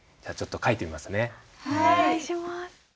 お願いします。